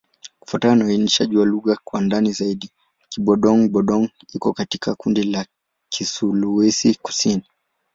Kufuatana na uainishaji wa lugha kwa ndani zaidi, Kibudong-Budong iko katika kundi la Kisulawesi-Kusini.